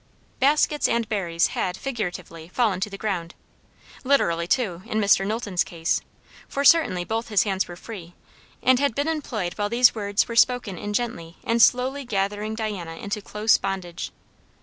_" Baskets and berries had, figuratively, fallen to the ground; literally too, in Mr. Knowlton's case, for certainly both his hands were free, and had been employed while these words were spoken in gently and slowly gathering Diana into close bondage.